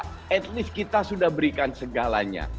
setidaknya kita sudah berikan segalanya